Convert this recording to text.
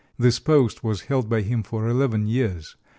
This post was held by him for eleven years.